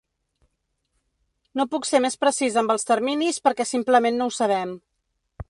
No puc ser més precís amb els terminis perquè simplement no ho sabem.